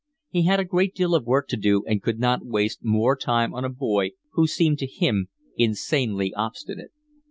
He had a great deal of work to do, and could not waste more time on a boy who seemed to him insanely obstinate.